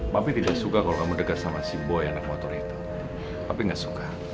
papi tidak suka kalau kamu dekat sama si boy yang anak motor itu